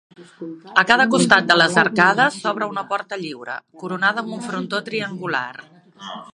A cada costat de les arcades s'obre una porta lliure, coronada amb un frontó triangular.